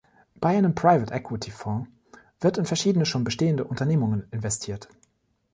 Bei einem Private-Equity-Fonds wird in verschiedene schon bestehende Unternehmungen investiert.